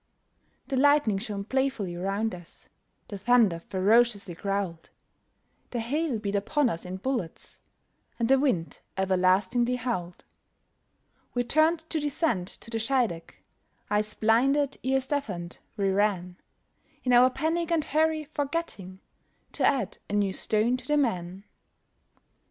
The lightning shone playfully round us; The thunder ferociously growled; The hail beat upon us in bullets; And the wind everlastingly howled. We turned to descend to the Scheideck, Eyes blinded, ears deafened, we ran, In our panic and hurry, forgetting To add a new stone to the man.